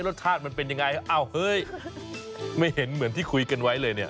รสชาติมันเป็นยังไงอ้าวเฮ้ยไม่เห็นเหมือนที่คุยกันไว้เลยเนี่ย